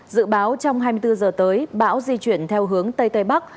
dự báo trong hai mươi bốn giờ tới bão di chuyển theo hướng tây tây bắc